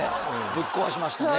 ぶっ壊しましたね